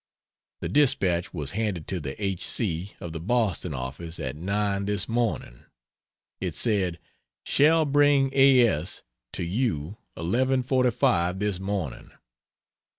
The dispatch was handed to the h. c. of the Boston office at 9 this morning. It said, "Shall bring A. S. to you eleven forty five this morning."